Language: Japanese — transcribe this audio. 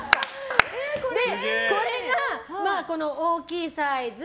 これが大きいサイズ